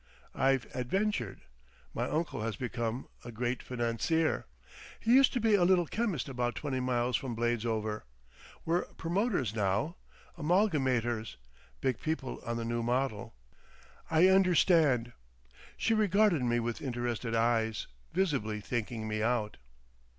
"I've adventured. My uncle has become—a great financier. He used to be a little chemist about twenty miles from Bladesover. We're promoters now, amalgamators, big people on the new model." "I understand." She regarded me with interested eyes, visibly thinking me out.